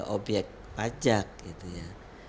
objek pajak gitu ya